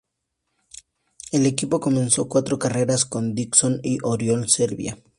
El equipo comenzó cuatro carreras con Dixon y Oriol Servia.